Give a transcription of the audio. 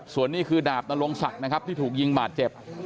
ส่วนนี้คือดาบนรงศักดิ์นะครับที่ถูกยิงบาดเจ็บ